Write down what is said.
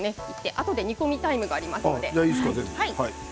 あとで煮込みタイムがありますので。